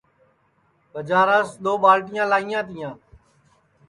ٻجاراس دؔو ٻالٹیاں لائیںٚا تیاں